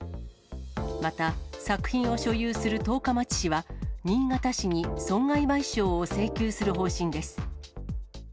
また、作品を所有する十日町市は、新潟市に損害賠償を請求する方針です。